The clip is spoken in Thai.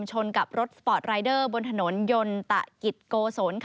ชนกับรถสปอร์ตรายเดอร์บนถนนยนตะกิจโกศล